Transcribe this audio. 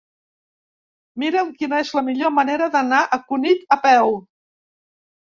Mira'm quina és la millor manera d'anar a Cunit a peu.